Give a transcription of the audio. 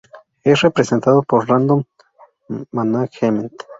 Es representado por Random Management.